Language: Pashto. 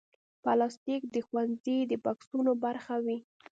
پلاستيک د ښوونځي د بکسونو برخه وي.